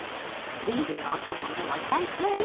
ビールのお供にも最高よ。